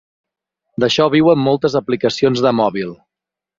D'això viuen moltes aplicacions de mòbil.